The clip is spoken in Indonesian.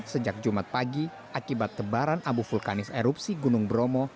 sejak jumat pagi akibat tebaran abu vulkanis erupsi gunung bromo